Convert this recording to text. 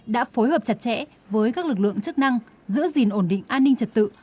đã phối hợp chặt chẽ với các lực lượng chức năng giữ gìn ổn định an ninh trật tự